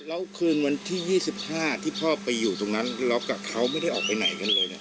แล้วคืนวันที่๒๕ที่พ่อไปอยู่ตรงนั้นล็อกกับเขาไม่ได้ออกไปไหนกันเลยเนี่ย